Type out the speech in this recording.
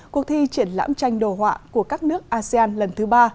cuộc thi triển lãm tranh đồ họa của các nước asean lần thứ ba